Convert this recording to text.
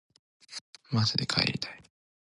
まじで帰りたい